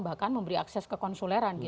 bahkan memberi akses ke konsuleran